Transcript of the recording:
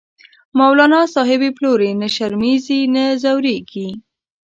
مولانا صاحب یی پلوری، نه شرمیزی نه ځوریږی